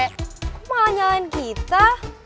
kok malah nyalain kita